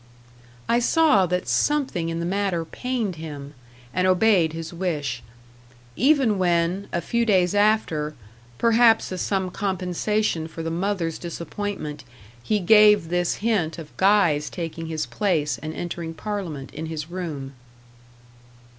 I saw that something in the matter pained him, and obeyed his wish. Even when, a few days after, perhaps as some compensation for the mother's disappointment, he gave this hint of Guy's taking his place and entering Parliament in his room.